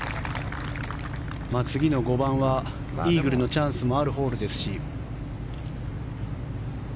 次の５番はイーグルのチャンスもあるホールですし。